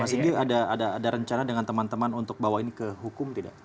mas singgi ada rencana dengan teman teman untuk bawa ini ke hukum tidak